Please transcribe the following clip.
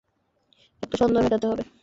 একটা সন্দেহ মেটাতে হবে।